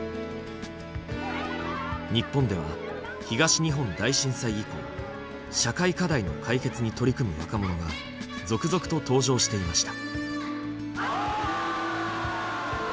日本では東日本大震災以降社会課題の解決に取り組む若者が続々と登場していました。